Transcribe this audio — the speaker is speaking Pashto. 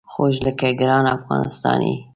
خوږ لکه ګران افغانستان یې